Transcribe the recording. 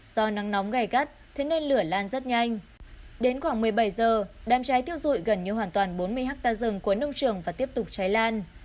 do nắng nóng gai gắt thế nên lửa lan rất nhanh đến khoảng một mươi bảy giờ đám cháy thiêu dụi gần như hoàn toàn bốn mươi hectare rừng của nông trường và tiếp tục cháy lan